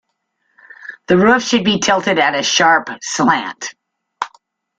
The roof should be tilted at a sharp slant.